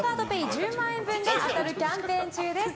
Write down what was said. １０万円分が当たるキャンペーン中です。